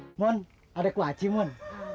hai mun ada kuaci mun